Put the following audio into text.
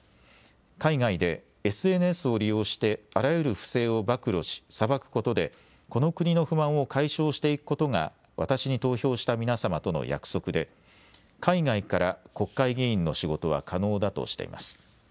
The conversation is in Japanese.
海外でＳＮＳを利用してあらゆる不正を暴露し裁くことでこの国の不満を解消していくことが私に投票した皆様との約束で海外から国会議員の仕事は可能だとしています。